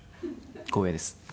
光栄です。